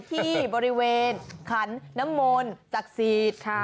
ที่บริเวณขันน้ำมนต์จักษีท